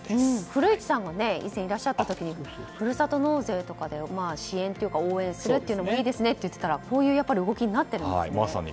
古市さんが以前いらっしゃった時にふるさと納税とかで支援というか応援するのもいいですねとおっしゃっていましたけどこういう動きになってるんですね。